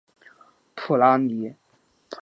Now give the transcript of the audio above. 普拉尼。